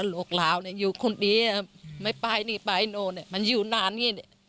โรคราวอยู่คนเดียวไม่ไปนี่ไปโน่มันอยู่นานนี้